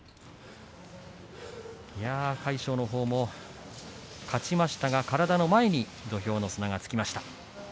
魁勝のほうも勝ちましたが体の前のほうに土俵の砂がつきました。